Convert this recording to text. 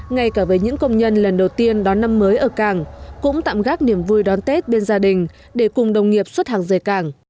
ngay cả với những công nhân lần đầu tiên đón năm mới ở càng cũng tạm gác niềm vui đón tết bên gia đình để cùng đồng nghiệp xuất hàng rời cảng